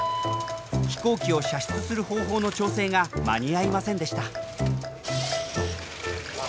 飛行機を射出する方法の調整が間に合いませんでした。